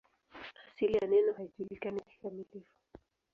Asili ya neno haijulikani kikamilifu.